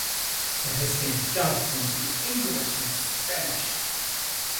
It has been dubbed into English and Spanish.